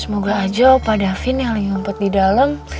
semoga aja opa davin yang lagi ngumpet di dalem